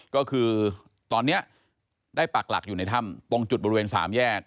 ก็คือตอนนี้ได้ปักหลักอยู่ในถ้ำตรงจุดบริเวณ๓แยก